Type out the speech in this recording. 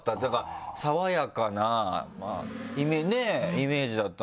爽やかなイメージだったんですけど。